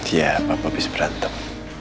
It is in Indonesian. iya papa abis berantem